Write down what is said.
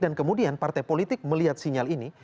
kemudian partai politik melihat sinyal ini